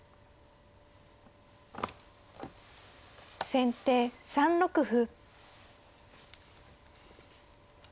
先手３六歩。